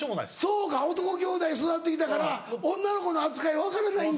そうか男兄弟で育ってきたから女の子の扱い分からないんだ。